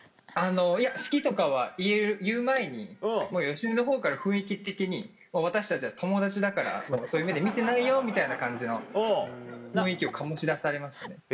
いや「好き」とか言う前にもう芳根のほうから雰囲気的に私たちは友達だからそういう目で見てないよみたいな感じの雰囲気を醸し出されましたね。